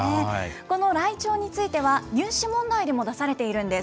このライチョウについては、入試問題でも出されているんです。